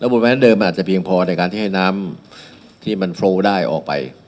บนแวนเดิมมันอาจจะเพียงพอในการที่ให้น้ำที่มันโฟล์ได้ออกไป